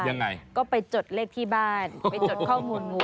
ยังไงก็ไปจดเลขที่บ้านไปจดข้อมูล